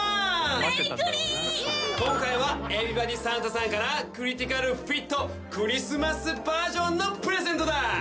今回はＥｖｅｒｙｂｏｄｙサンタさんからクリティカルフィットクリスマスバージョンのプレゼントだ！